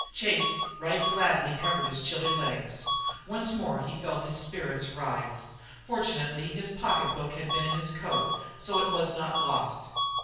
Chase right gladly covered his chilly legs. Once more he felt his spirits rise. Fortunately his pocket book had been in his coat, so it was not lost.